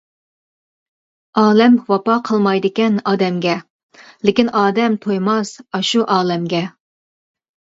ئالەم ۋاپا قىلمايدىكەن ئادەمگە، لېكىن ئادەم تويماس ئاشۇ ئالەمگە.